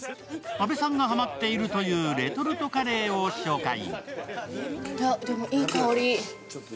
阿部さんがハマっているというレトルトカレーを紹介。